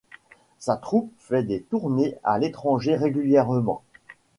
Sa troupe fait des tournées à l'étranger régulièrement.